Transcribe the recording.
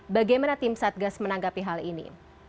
bagaimana tim satgas menanggapi hal ini